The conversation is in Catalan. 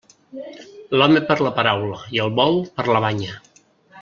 L'home per la paraula i el bou per la banya.